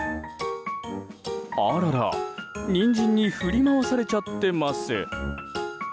あらら、ニンジンに振り回されちゃってます。